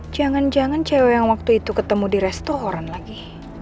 jangan jangan cewek yang waktu itu ketemu di restoran lagi